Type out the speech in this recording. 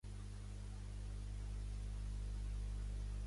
Les regles del joc el tenien immobilitzat, mirant-vos en ple pols silenciós.